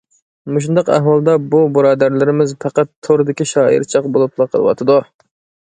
مۇشۇنداق ئەھۋالدا بۇ بۇرادەرلىرىمىز پەقەت توردىكى شائىرچاق بولۇپلا قېلىۋاتىدۇ.